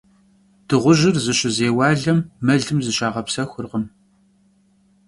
Dığujır zışızêualem melım zışağepsexurkhım.